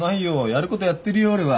やることやってるよ俺は。